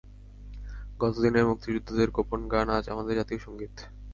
গতদিনের মুক্তিযোদ্ধাদের গোপন গান আজ আমাদের জাতীয় সংগীত।